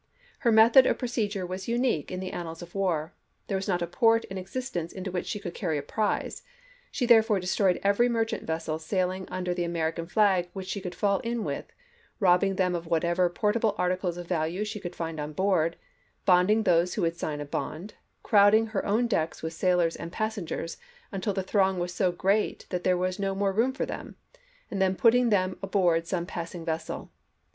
Her method of procedure was unique in the annals of war ; there was not a port in ex istence into which she could carry a prize; she therefore destroyed every merchant vessel sailing under the American flag which she could fall in with, robbing them of whatever portable articles of value she could find on board, bonding those who would sign a bond, crowding her own decks with sailors and passengers until the throng was so great that there was no more room for them, and then putting them aboard some passing vessel.